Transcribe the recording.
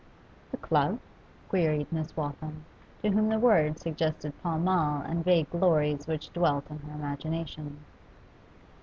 'The club?' queried Miss Waltham, to whom the word suggested Pall Mall and vague glories which dwelt in her imagination.